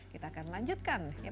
kita akan lanjutkan ya